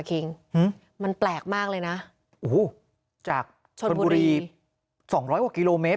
คิงอืมมันแปลกมากเลยนะโอ้โหจากชนบุรีสองร้อยกว่ากิโลเมตร